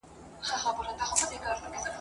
او سره له هغه چي په لویو !.